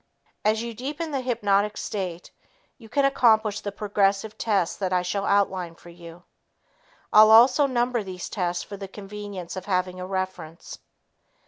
As you deepen the hypnotic state, you can accomplish the progressive tests that I shall outline for you. I'll also number these tests for the convenience of having a reference.